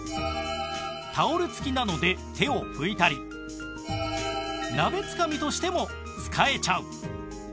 タオル付きなので手を拭いたり鍋つかみとしても使えちゃう